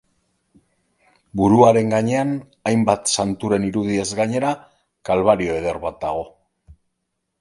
Buruaren gainean, hainbat santuren irudiez gainera, Kalbario eder bat dago.